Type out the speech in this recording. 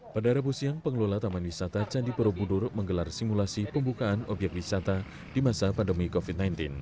pada rabu siang pengelola taman wisata candi borobudur menggelar simulasi pembukaan obyek wisata di masa pandemi covid sembilan belas